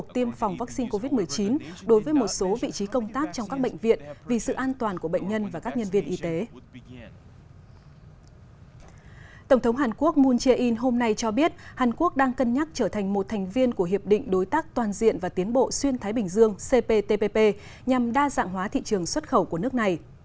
tổng thống hàn quốc moon jae in hôm nay cho biết hàn quốc đang cân nhắc trở thành một thành viên của hiệp định đối tác toàn diện và tiến bộ xuyên thái bình dương cptpp nhằm đa dạng hóa thị trường xuất khẩu của nước này